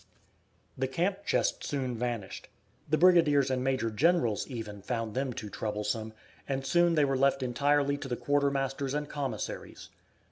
The camp chest soon vanished. The brigadiers and major generals, even, found them too troublesome, and soon they were left entirely to the quartermasters and commissaries.